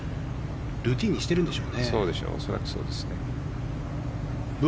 ルーティンにしてるんでしょうね。